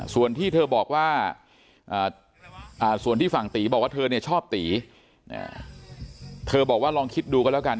ส่วนที่เธอบอกว่าส่วนที่ฝั่งตีบอกว่าเธอเนี่ยชอบตีเธอบอกว่าลองคิดดูกันแล้วกัน